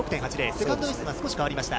セカンドベストが少し変わりました。